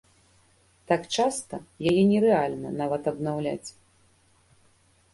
Так часта яе нерэальна нават абнаўляць.